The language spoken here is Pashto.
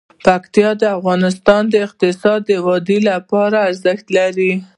پکتیا د افغانستان د اقتصادي ودې لپاره ارزښت لري.